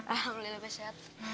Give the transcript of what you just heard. alhamdulillah be sehat